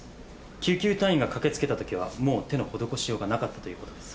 救急隊員が駆け付けたときはもう手の施しようがなかったということです。